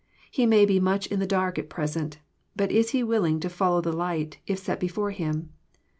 He may be much in the dark at present. But is he willing to follow the light, if set before him?